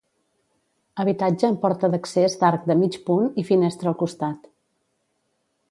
Habitatge amb porta d'accés d'arc de mig punt i finestra al costat.